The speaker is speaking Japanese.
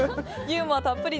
ユーモアたっぷり？